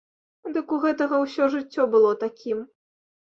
Дык у гэтага ўсё жыццё было такім.